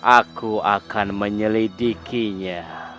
aku akan menyelidikinya